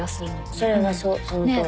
それはそうそのとおり。